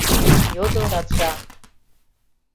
— йодо раджа.